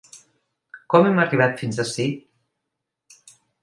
Com hem arribat fins ací?